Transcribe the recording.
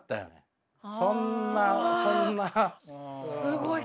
すごい。